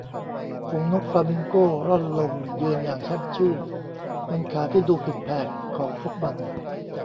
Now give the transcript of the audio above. ฝูงนกฟลามิงโก้ร่อนลงยืนอย่างแช่มชื่นบนขาที่ดูผิดแผกของพวกมัน